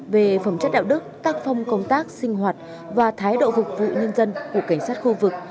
về phẩm chất đạo đức tác phong công tác sinh hoạt và thái độ phục vụ nhân dân của cảnh sát khu vực